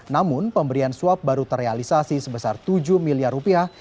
namun pemberian suap baru terrealisasi sebesar tujuh miliar rupiah